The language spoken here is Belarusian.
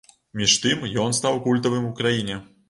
Між тым, ён стаў культавым у краіне.